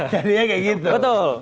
jadi dia kayak gitu betul